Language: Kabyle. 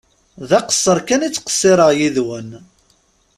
D aqesser kan i ttqessireɣ yid-wen.